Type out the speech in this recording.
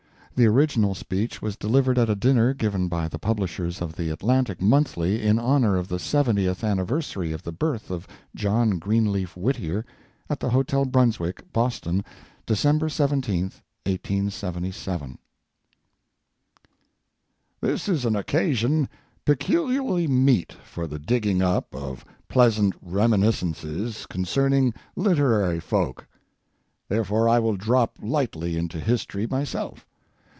The original speech was delivered at a dinner given by the publishers of The Atlantic Monthly in honor of the seventieth anniversary o f the birth of John Greenleaf Whittier, at the Hotel Brunswick, Boston, December 17, 1877. This is an occasion peculiarly meet for the digging up of pleasant reminiscences concerning literary folk; therefore I will drop lightly into history myself.